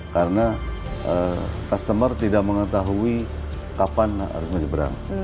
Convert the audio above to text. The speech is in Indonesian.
karena customer tidak mengetahui kapan harus menyeberang